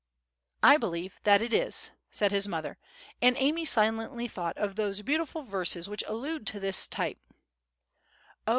"I believe that it is," said his mother and Amy silently thought of those beautiful verses which allude to this type:— "Oh!